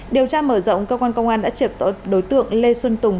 điều tra mở rộng cơ quan công an đã triệp đối tượng lê xuân tùng